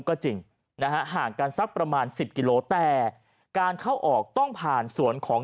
ก็จริงนะฮะห่างกันสักประมาณสิบกิโลแต่การเข้าออกต้องผ่านสวนของ